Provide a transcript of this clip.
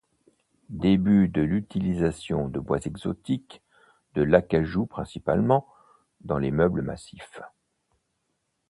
Début de l'utilisation de bois exotiques, de l'acajou principalement, dans les meubles massifs.